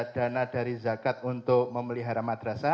dana dari zakat untuk memelihara madrasah